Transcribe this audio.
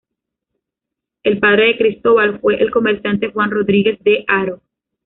El padre de Cristóbal fue el comerciante Juan Rodríguez de Haro.